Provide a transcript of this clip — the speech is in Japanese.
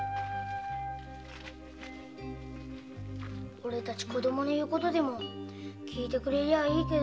オレたち子供の言う事でも聞いてくれりゃいいけど。